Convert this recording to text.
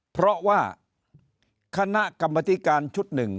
เพราะว่าคณะกรรมชุดจ์ฉุดหนึ่ง